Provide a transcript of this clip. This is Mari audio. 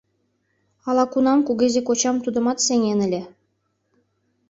— Ала-кунам кугезе кочам тудымат сеҥен ыле...